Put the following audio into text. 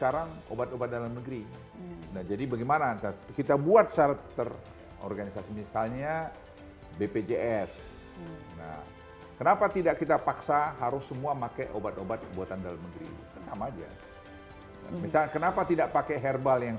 reformasi di semua bidang